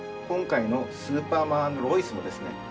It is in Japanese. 今回の「スーパーマン＆ロイス」もですね